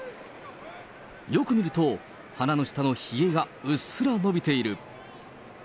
よく見ると、鼻の下のひげがうっすら伸びている。